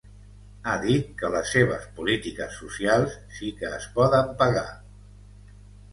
Ha dit que les seves polítiques socials ‘sí que es poden pagar’.